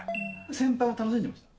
先輩も楽しんでました？